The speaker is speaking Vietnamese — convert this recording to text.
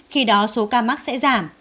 khi đó số ca mắc sẽ giảm